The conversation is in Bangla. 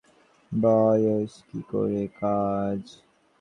বৎস, কি করে কাজ করতে হয়, শেখো।